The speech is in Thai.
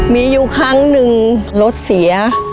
มีอยู่ครั้งหนึ่งรถเสีย